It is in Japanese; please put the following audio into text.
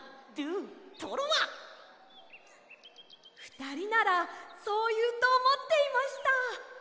ふたりならそういうとおもっていました。